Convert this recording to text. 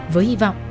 với hy vọng